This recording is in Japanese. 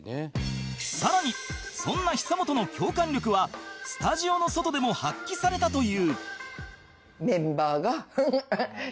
さらにそんな久本の共感力はスタジオの外でも発揮されたという